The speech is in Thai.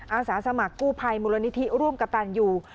อาสาสมัครกู้ภัยมูลนิธิร่วมกับตันอยู่